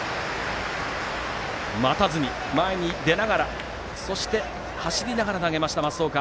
待たずに前に出ながら走りながら投げました益岡。